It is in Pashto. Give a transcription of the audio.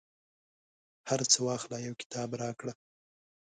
هرڅه واخله، یو کتاب راکړه